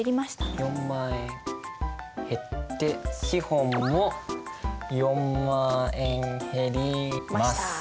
４万円減って資本も４万円減ります。